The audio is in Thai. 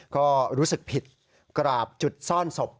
ก็รู้สึกผิดกราบจุดซ่อนศพ